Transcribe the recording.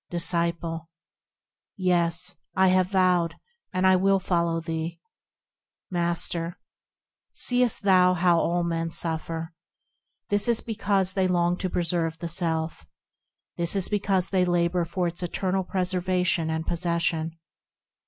Disciple. Yea, I have vowed, and I will follow thee. Master. Seest thou how all men suffer ? This is because they long to preserve the self; This is because they labour for its eternal preservation and possession.